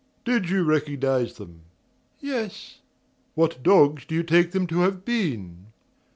"Did you recognize them?" "Yes." "What dogs do you take them to have been?"